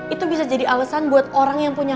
itu bisa jadi alasan buat orang yang punya